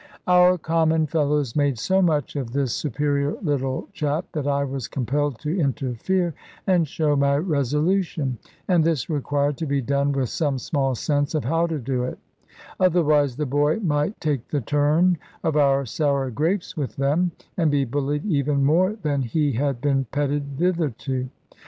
Our common fellows made so much of this superior little chap, that I was compelled to interfere, and show my resolution: and this required to be done with some small sense of how to do it; otherwise the boy might take the turn of sour grapes with them, and be bullied even more than he had been petted thitherto.